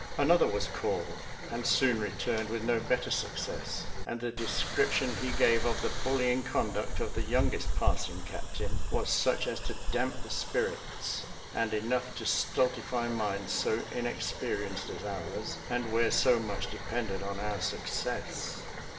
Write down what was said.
Another was called, and soon returned with no better success; and the description he gave of the bullying conduct of the youngest passing captain was such as to damp the spirits, and enough to stultify minds so inexperienced as ours, and where so much depended on our success.